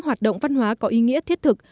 hoạt động văn hóa có ý nghĩa thiết thực